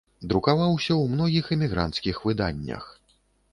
Друкаваўся ў многіх эмігранцкіх выданнях.